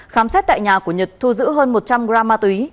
khám xét tại nhà của nhật thu giữ hơn một trăm linh gram ma túy